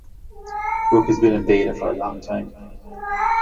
Brook has been in beta for a long time.